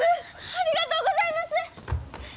ありがとうございます！